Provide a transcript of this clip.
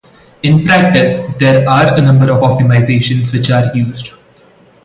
In practice, there are a number of optimizations which are used.